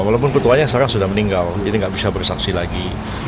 walaupun ketuanya sekarang sudah meninggal jadi nggak bisa bersaksi lagi